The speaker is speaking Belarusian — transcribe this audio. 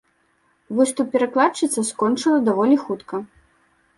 Выступ перакладчыца скончыла даволі хутка.